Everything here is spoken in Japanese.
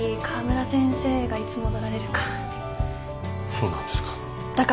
そうなんですか。